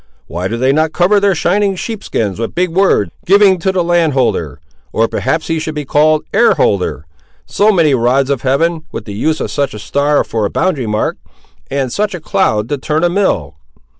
Why do they not cover their shining sheep skins with big words, giving to the landholder, or perhaps he should be called air holder, so many rods of heaven, with the use of such a star for a boundary mark, and such a cloud to turn a mill?"